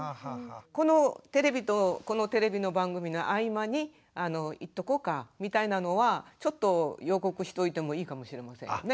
このテレビとこのテレビの番組の合間に行っとこうかみたいなのはちょっと予告しといてもいいかもしれませんよね。